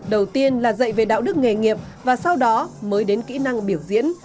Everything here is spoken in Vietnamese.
đầu tiên là dạy về đạo đức nghề nghiệp và sau đó mới đến kỹ năng biểu diễn